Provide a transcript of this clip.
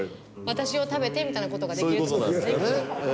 「私を食べて」みたいな事ができるって事ですね。